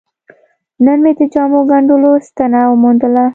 نن مې د جامو ګنډلو ستنه وموندله.